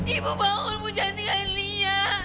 ibu bangun bu jangan tinggalin lilia